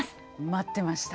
待ってました。